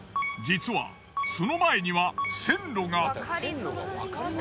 実はその前には線路が。